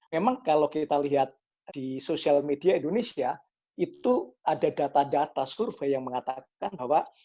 memang kalau kita lihat di sosial media indonesia itu ada data data survei yang mengatakan bahwa